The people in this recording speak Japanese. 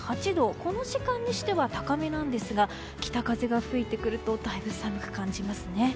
この時間にしては高めなんですが北風が吹いてくるとだいぶ寒く感じますね。